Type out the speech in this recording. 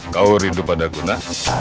kau rindu pada guna